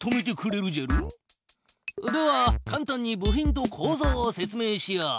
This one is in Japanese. ではかん単に部品とこうぞうを説明しよう。